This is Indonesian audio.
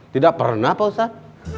tidak pernah postat